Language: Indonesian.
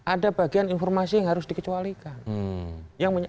ada bagian informasi yang harus dikecualikan